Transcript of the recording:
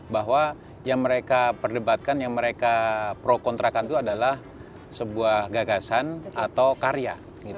bahwa yang mereka perdebatkan yang mereka pro kontrakan itu adalah sebuah gagasan atau karya